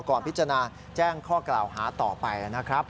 พิจารณาแจ้งข้อกล่าวหาต่อไปนะครับ